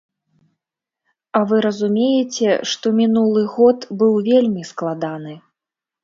А вы разумееце, што мінулы год быў вельмі складаны.